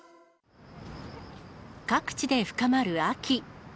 各地で深まる秋。